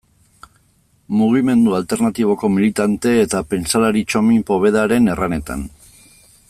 Mugimendu alternatiboko militante eta pentsalari Txomin Povedaren erranetan.